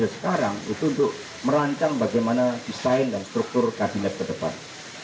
sekarang itu untuk merancang bagaimana desain dan struktur kabinet ke depan